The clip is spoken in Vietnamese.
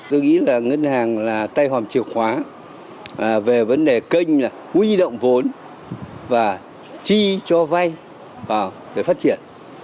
tôi nghĩ là ngân hàng là tay hòm chiều khóa về vấn đề kênh huy động vốn và chi cho vay để phát triển